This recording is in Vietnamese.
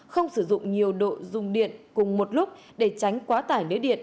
không sử dụng nhiều độ dùng điện cùng một lúc để tránh quá tải lưới điện